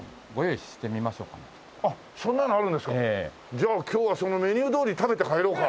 じゃあ今日はそのメニューどおり食べて帰ろうか。